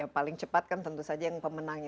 paling cepat kan tentu saja yang pemenangnya